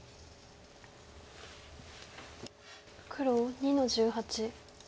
黒２の十八。